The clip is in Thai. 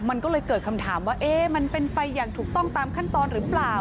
มันก็เลยเกิดคำถามว่ามันเป็นไปอย่างถูกต้องตามขั้นตอนหรือเปล่า